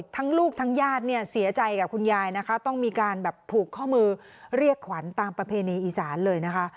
ลูกทั้งญาติเนี่ยเสียใจกับคุณยายนะคะต้องมีการแบบผูกข้อมือเรียกขวัญตามประเพณีอีสานเลยนะคะ